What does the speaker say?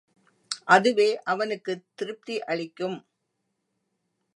அதுவே அவனுக்குத் திருப்தி யளிக்கும்.